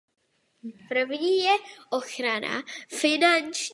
Prvním je ochrana finančních zájmů Společenství a jeho členů.